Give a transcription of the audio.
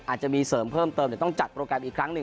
อาจจะมีเสริมเพิ่มเติมเดี๋ยวต้องจัดโปรแกรมอีกครั้งหนึ่ง